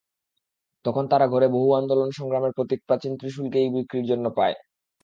তখন তাঁরা ঘরে বহু আন্দোলন সংগ্রামের প্রতীক প্রাচীন ত্রিশূলকেই বিক্রির জন্য পায়।